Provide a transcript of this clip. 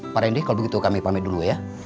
pak randy kalau begitu kami pamit dulu ya